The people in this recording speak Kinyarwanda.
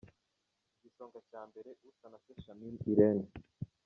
Igisonga cya Mbere: Usanase Shamim Irene.